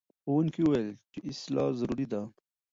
ښوونکي وویل چې اصلاح ضروري ده.